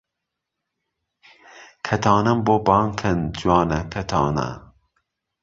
کهتانهم بۆ بانگ کهن، جوانه کهتانه